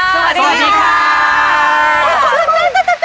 สวัสดีค่ะ